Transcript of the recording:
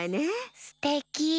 すてき。